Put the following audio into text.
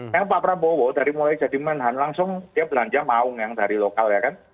karena pak prabowo dari mulai jadi menahan langsung dia belanja maung yang dari lokal ya kan